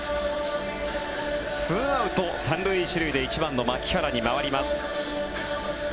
２アウト３塁１塁で１番の牧原に回ります。